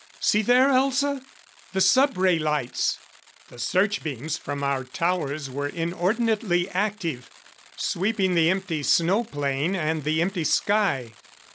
See there, Elza? The sub ray lights!" The search beams from our towers were inordinately active. Sweeping the empty snow plain and the empty sky.